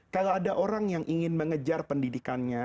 kalau ada orang yang ingin mengejar pendidikannya